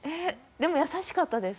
でも優しかったです